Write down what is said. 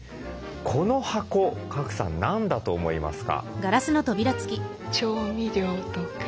この箱賀来さん何だと思いますか？